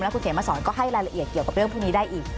คุณเขมสอนก็ให้รายละเอียดเกี่ยวกับเรื่องพวกนี้ได้อีก